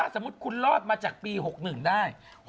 สมมุติคุณรอดมาจากปี๖๑ได้